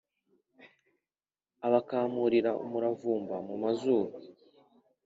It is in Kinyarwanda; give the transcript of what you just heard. Abakamurira umuravumba mu mazuru